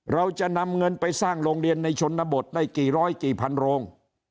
เราจะนำเงินไปสร้างโรงเรียนในชนบทได้กี่ร้อยกี่พันโรง